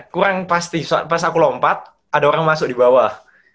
kurang pasti pas aku lompat ada orang masuk di bawah